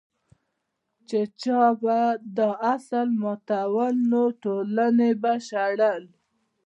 چې چا به دا اصول ماتول نو ټولنې به شړل.